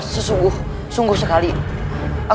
saya sudah selalu kita haluskan